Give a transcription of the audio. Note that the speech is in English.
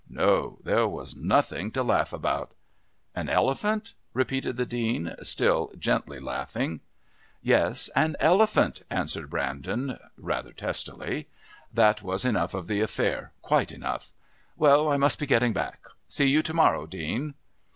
No, there was nothing to laugh about. "An elephant?" repeated the Dean, still gently laughing. "Yes, an elephant," answered Brandon rather testily. That was enough of the affair, quite enough. "Well, I must be getting back. See you to morrow, Dean."